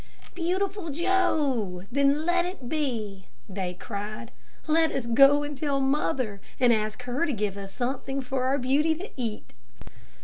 "'Beautiful Joe,' then let it be!" they cried. "Let us go and tell mother, and ask her to give us something for our beauty to eat."